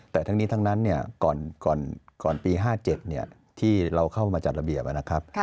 แต่ทั้งนี้ทั้งนั้นก่อนปี๕๗ที่เราเข้ามาจัดระเบียบนะครับ